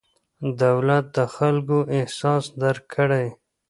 دولت د خلکو احساس درک کړي.